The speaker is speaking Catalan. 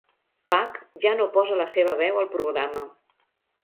Pak ja no posa la seva veu al programa.